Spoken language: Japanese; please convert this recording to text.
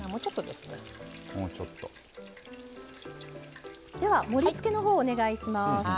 では盛りつけの方お願いします。